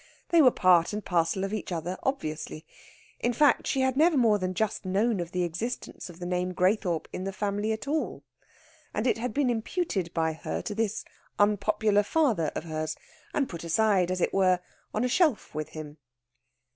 They were part and parcel of each other obviously. In fact, she had never more than just known of the existence of the name Graythorpe in her family at all, and it had been imputed by her to this unpopular father of hers, and put aside, as it were, on a shelf with him.